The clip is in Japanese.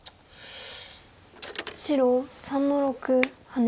白３の六ハネ。